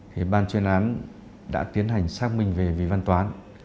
thì ban chuyên án đã tiến hành xác minh về vị văn toán